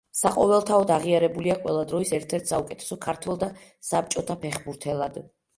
საყოველთაოდ აღიარებულია ყველა დროის ერთ-ერთ საუკეთესო ქართველ და საბჭოთა ფეხბურთელად.